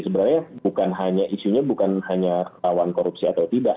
sebenarnya bukan hanya isunya bukan hanya rawan korupsi atau tidak